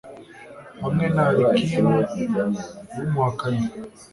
hamwe na alikimu w'umuhakanyi